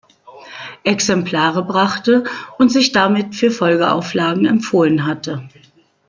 Exemplare brachte und sich damit für Folgeauflagen empfohlen hatte.